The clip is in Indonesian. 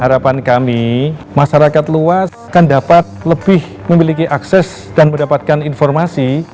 harapan kami masyarakat luas kan dapat lebih memiliki akses dan mendapatkan informasi